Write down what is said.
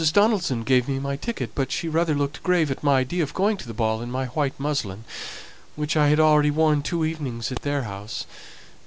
Donaldson gave me my ticket, but she rather looked grave at my idea of going to the Ball in my white muslin, which I had already worn two evenings at their house.